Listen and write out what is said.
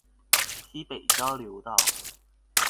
埤北交流道